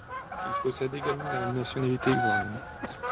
Il possède également la nationalité ivoirienne.